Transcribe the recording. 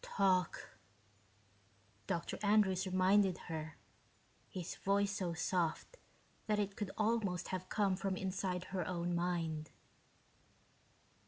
"Talk," Dr. Andrews reminded her, his voice so soft that it could almost have come from inside her own mind.